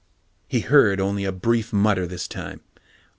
He heard only a brief mutter this time.